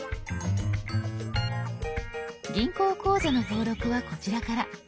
「銀行口座」の登録はこちらから。